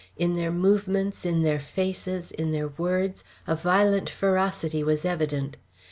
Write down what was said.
In their movements, in their faces, in their words, a violent ferocity was evident.